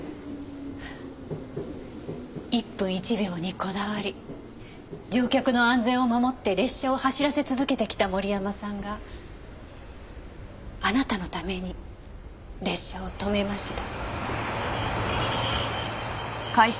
一分一秒にこだわり乗客の安全を守って列車を走らせ続けてきた森山さんがあなたのために列車を止めました。